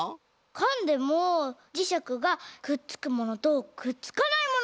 かんでもじしゃくがくっつくものとくっつかないものがあるんだ！